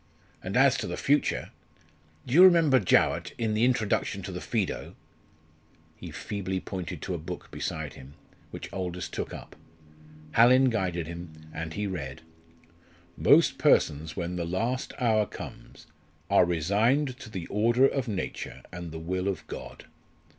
And as to the future do you remember Jowett in the Introduction to the Phaedo " He feebly pointed to a book beside him, which Aldous took up. Hallin guided him and he read "_Most persons when the last hour comes are resigned to the order of nature and the will of God.